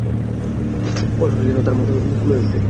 ফসলটা যেন তোর মতো ফুল হয়ে ফুটে।